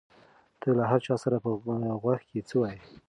ته له هر چا سره په غوږ کې څه وایې؟